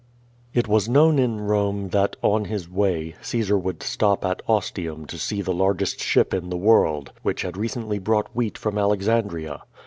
It was known in Eonic that, on his way, Caesar would stop at Ostium to see the largest ship in the world, which had recently brought wheat from Alexandria.